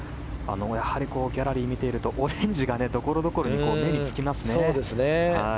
ギャラリーを見ているとオレンジがところどころに目につきますね。